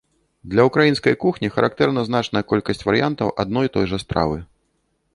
Для ўкраінскай кухні характэрна значная колькасць варыянтаў адной той жа стравы.